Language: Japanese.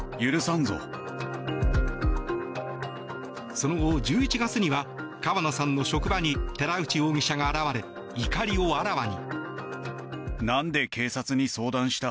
その後、１１月には川野さんの職場に寺内容疑者が現れ怒りをあらわに。